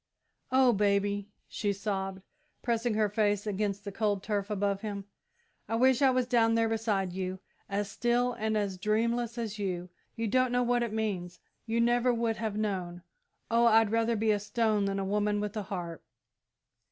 "Oh, Baby," she sobbed, pressing her face against the cold turf above him, "I wish I was down there beside you, as still and as dreamless as you! You don't know what it means you never would have known! Oh, I'd rather be a stone than a woman with a heart!"